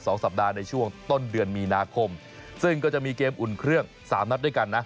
สัปดาห์ในช่วงต้นเดือนมีนาคมซึ่งก็จะมีเกมอุ่นเครื่องสามนัดด้วยกันนะ